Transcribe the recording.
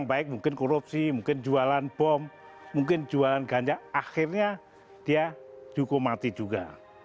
baik mungkin korupsi mungkin jualan bom mungkin jualan ganja akhirnya dia dihukum mati juga